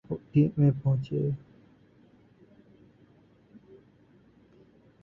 نیشا پور سے وزیر سلاجقہ نظام الملک طوسی کے دربار میں پہنچے